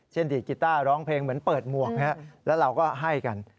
เช่นที่กิต้าร้องเพลงเหมือนเปิดหมวกนะครับแล้วเราก็ให้กัน